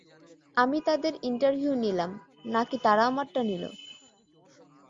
আমি তাদের ইন্টারভিউ নিলাম, না-কি তারা আমারটা নিলো?